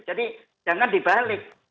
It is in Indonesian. jadi jangan dibalik